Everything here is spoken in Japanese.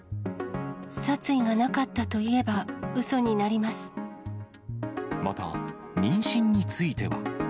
殺意がなかったといえばうそまた、妊娠については。